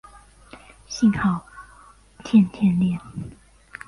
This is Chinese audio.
信号肽肽链。